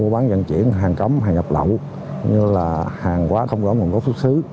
vận chuyển hàng cấm hàng không đón nguồn gốc xuất xứ